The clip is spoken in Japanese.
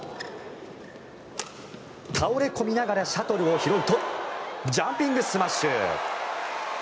倒れ込みながらシャトルを拾うとジャンピングスマッシュ！